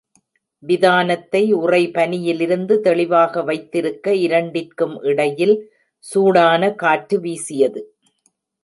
விதானத்தை உறைபனியிலிருந்து தெளிவாக வைத்திருக்க இரண்டிற்கும் இடையில் சூடான காற்று வீசியது.